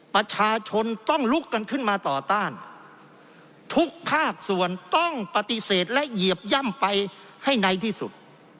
ประชาชนต้องลุกกันขึ้นมาต่อต้านทุกภาคส่วนต้องปฏิเสธและเหยียบย่ำไปให้ในที่สุด